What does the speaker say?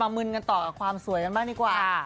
มึนกันต่อกับความสวยกันบ้างดีกว่า